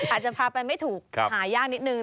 อาจจะพาไปไม่ถูกหายากนิดนึง